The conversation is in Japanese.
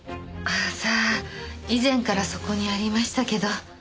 さあ以前からそこにありましたけど。